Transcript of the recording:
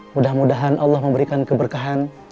mudah mudahan allah memberikan keberkahan